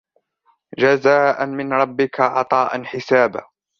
جَزَاءً مِنْ رَبِّكَ عَطَاءً حِسَابًا